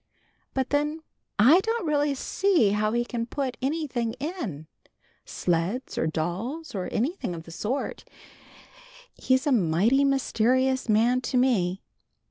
"But then I don't really see how he can put anything in; sleds or dolls or anything of the sort. He's a mighty mysterious man to me.